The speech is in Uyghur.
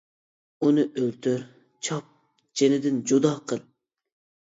-ئۇنى ئۆلتۈر، چاپ، جېنىدىن جۇدا قىل.